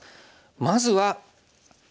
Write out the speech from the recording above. まずはＢ。